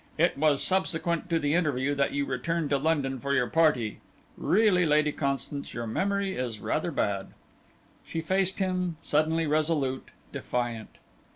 It was subsequent to the interview that you returned to London for your party. Really, Lady Constance, your memory is rather bad." She faced him suddenly resolute, defiant.